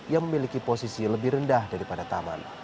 yang memiliki posisi lebih rendah daripada taman